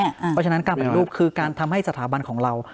เพราะฉะนั้นการปฏิรูปคือการทำให้สถาบันของเรา